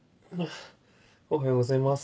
おはようございます。